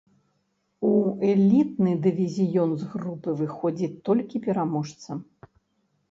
У элітны дывізіён з групы выходзіць толькі пераможца.